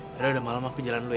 karena udah malam aku jalan dulu ya